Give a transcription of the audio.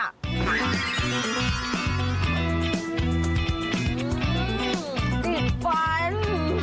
สิบฝัน